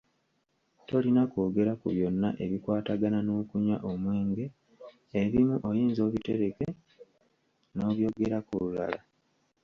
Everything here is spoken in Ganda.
Tolina kwogera ku byonna ebikwatagana n’okunywa omwenge, ebimu oyinza obitereka n’obyogerako olulala.